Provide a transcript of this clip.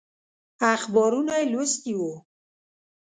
اخبارونه یې لوستي وو.